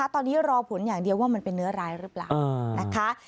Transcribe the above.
ตอนนี้รอผลอย่างเดียวว่ามันเป็นเนื้อร้ายหรือเปล่านะคะ